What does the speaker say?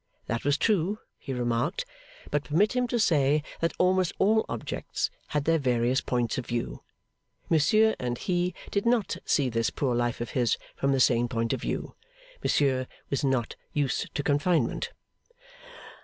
That was true, he remarked, but permit him to say that almost all objects had their various points of view. Monsieur and he did not see this poor life of his from the same point of view. Monsieur was not used to confinement.